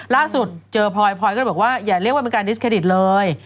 ล่าสุดเจอพลอยพลอยก็เลยบอกว่าอย่าเรียกว่าเป็นการดิสเครดิตเลย